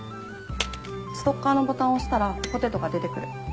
ストッカーのボタンを押したらポテトが出て来る。